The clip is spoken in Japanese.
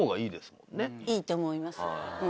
いいと思います。